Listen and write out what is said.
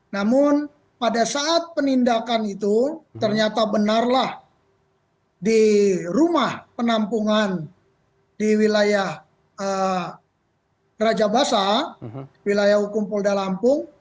namun pada saat penindakan itu ternyata benarlah di rumah penampungan di wilayah raja basa wilayah hukum polda lampung